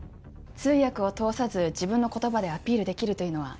通訳を通さず自分の言葉でアピールできるというのは